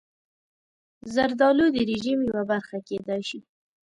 زردالو د رژیم یوه برخه کېدای شي.